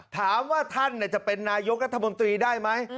ถามว่าท่านจะเป็นนายกรัฐมนตรีได้ไหม